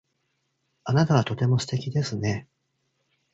あなたはとても素敵ですね。